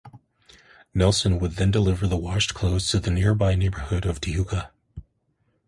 Nelson would then deliver the washed clothes to the nearby neighborhood of Tijuca.